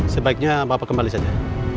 sebaiknya bapak kembali saja